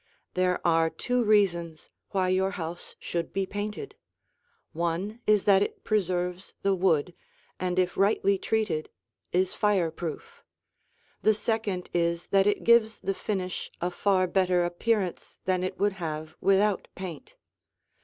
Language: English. There are two reasons why your house should be painted: one is that it preserves the wood and if rightly treated is fireproof; the second is that it gives the finish a far better appearance than it would have without paint.